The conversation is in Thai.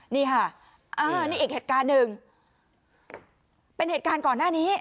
นี่ค่ะอ่านี่อีกเหตุการณ์หนึ่งเป็นเหตุการณ์ก่อนหน้านี้